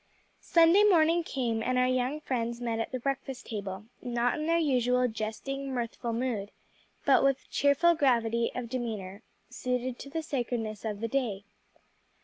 _ Sunday morning came and our young friends met at the breakfast table, not in their usual jesting, mirthful mood, but with cheerful gravity of demeanor, suited to the sacredness of the day.